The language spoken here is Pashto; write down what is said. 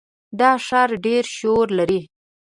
دا ښار ډېر شور لري.